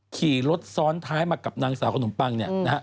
ขี่รถซ้อนท้ายมากับนางสาวขนมปังเนี่ยนะฮะ